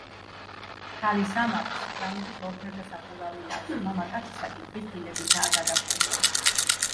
ქალის სამარხს კრამიტის ორფერდა სახურავი აქვს, მამაკაცისა კი ქვის ფილებითაა გადახურული.